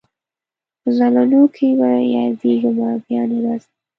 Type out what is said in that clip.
په زولنو کي به یادېږمه بیا نه راځمه